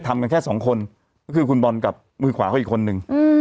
ทำกันแค่สองคนก็คือคุณบอลกับมือขวาเขาอีกคนนึง